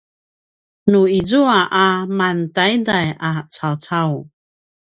nu izua a mantaiday a cawcau